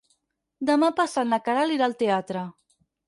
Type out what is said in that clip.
Demà passat na Queralt irà al teatre.